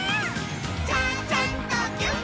「ちゃちゃんとぎゅっ」